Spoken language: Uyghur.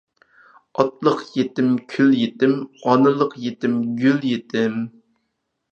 ئاتىلىق يېتىم كۈل يېتىم، ئانىلىق يېتىم گۈل يېتىم.